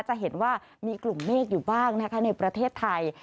จะเห็นว่ามีกลุ่มเมฆอยู่บ้างนะคะในประเทศไทย